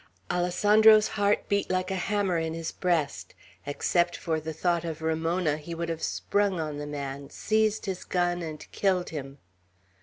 Alessandro's heart beat like a hammer in his breast. Except for the thought of Ramona, he would have sprung on the man, seized his gun, and killed him.